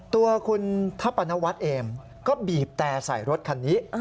ตัวคุณทัศปนวัฒน์เองก็บีบแต่ใส่รถคันนี้